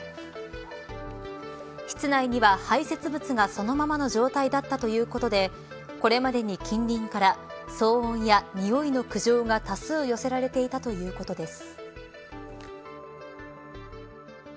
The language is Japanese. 室内には排せつ物がそのままの状態だったということでこれまでに近隣から騒音やにおいの苦情が多数寄せられていたということです。